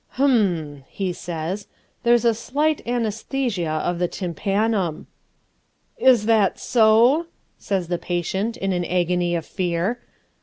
"Hum!" he says, "there's a slight anaesthesia of the tympanum." "Is that so?" says the patient, in an agony of fear.